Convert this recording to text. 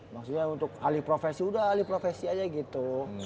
maksudnya untuk alih profesi udah alih profesi aja gitu